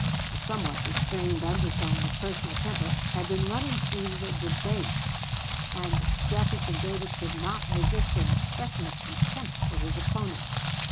A somewhat restrained undertone of personal temper had been running through the debate, and Jefferson Davis could not resist an expression of contempt for his opponent.